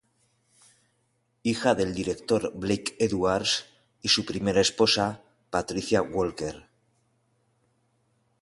Hija del director Blake Edwards y su primera esposa, Patricia Walker.